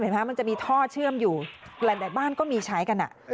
มันจะมีท่อเชื่อมอยู่หลายบ้านก็มีใช้กัน